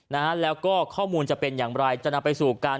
นะฮะแล้วก็ข้อมูลจะเป็นอย่างไรจะนำไปสู่การ